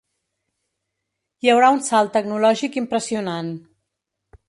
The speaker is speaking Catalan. Hi haurà un salt tecnològic impressionant.